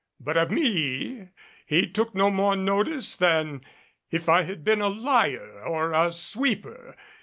But of me he took no more notice than if I had been a lyer or a sweeper.